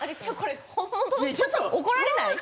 ちょっと怒られない？